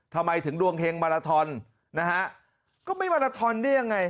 ทำไมถึงดวงเฮงมาลาทอนนะฮะก็ไม่มาลาทอนได้ยังไง